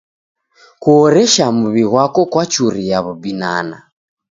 Kuhoresha muw'i ghwako kwachuria w'ubinana.